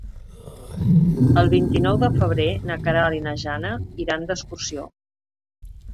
El vint-i-nou de febrer na Queralt i na Jana iran d'excursió.